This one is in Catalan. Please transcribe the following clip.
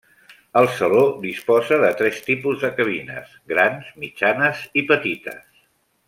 El saló disposa de tres tipus de cabines: grans, mitjanes i petites.